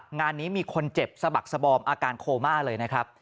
งานนี้มีคนเจ็บสะบักสบอมอาการโคม่าเลยนะครับ